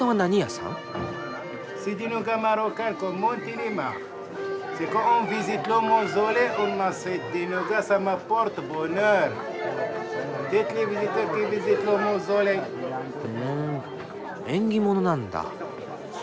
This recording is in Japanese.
ふん縁起物なんだ。